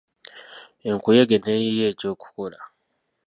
Enkuyege ne yiiya eky'okukola.